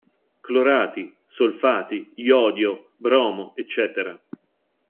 Clorati, solfati, iodio, bromo, ecc.